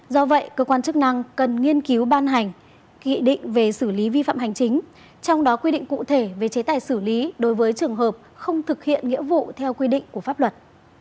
do vậy cơ quan chức năng cần nghiên cứu ban hành nghị định về xử lý vi phạm hành chính trong đó quy định cụ thể về chế tài xử lý đối với trường hợp không thực hiện nghĩa vụ theo quy định của pháp luật